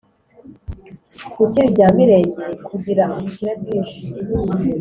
gukira ibya mirenge: kugira ubukire bwinshi